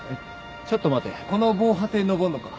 ちょっと待てこの防波堤登んのか？